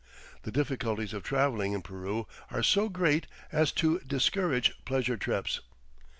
The difficulties of traveling in Peru are so great as to discourage pleasure trips.